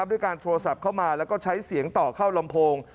ด้วยการโทรศัพท์เข้ามาแล้วก็ใช้เสียงต่อเข้าลำโพง